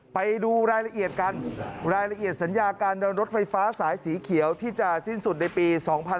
ไปดูรายละเอียดกันรายละเอียดสัญญาการเดินรถไฟฟ้าสายสีเขียวที่จะสิ้นสุดในปี๒๕๕๙